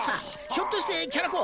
ひょっとしてキャラ公